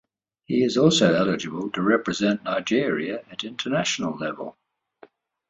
He is also eligible to represent Nigeria at international level.